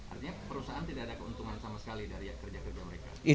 artinya perusahaan tidak ada keuntungan sama sekali dari kerja kerja mereka